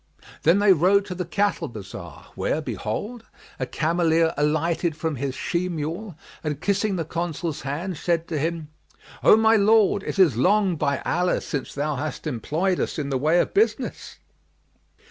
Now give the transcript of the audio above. Then they rode to the cattle bazar, where behold, a cameleer[FN#40] alighted from his she mule and kissing the Consul's hand, said to him, "O my lord, it is long, by Allah, since thou hast employed us in the way of business."